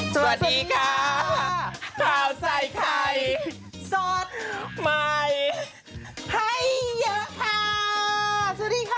สวัสดีค่ะข้าวใส่ไข่สดใหม่ให้เยอะค่ะสวัสดีค่ะ